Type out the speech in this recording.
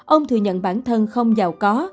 ông thừa nhận bản thân không giàu có